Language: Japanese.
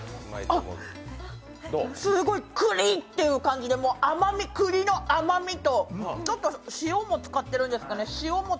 あっ、すごい栗！って感じで栗の甘みとちょっと塩も使ってるんですかね。